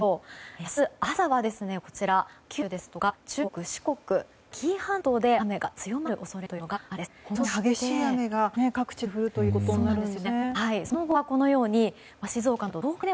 明日朝は、九州ですとか中国、四国、紀伊半島で雨が強まる恐れがあるんです。